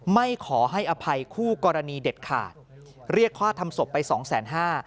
ไม่ขอให้อภัยคู่กรณีเด็ดขาดเรียกค่าทำศพไปสองแสนห้า